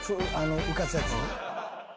浮かすやつ？